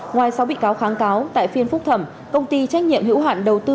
ngoài sáu bị cáo kháng cáo tại phiên phúc thẩm công ty trách nhiệm hữu hạn đầu tư